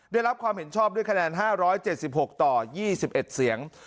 ได้รับความเห็นชอบด้วยคะแนน๕๗๖ต่อ๒๑เสียง